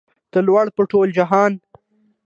ته لوړ په ټول جهان